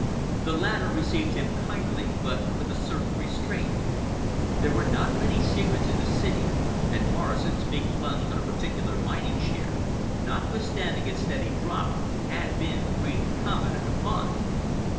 The latter received him kindly but with a certain restraint. There are not many secrets in the city, and Morrison's big plunge on a particular mining share, notwithstanding its steady drop, had been freely commented upon.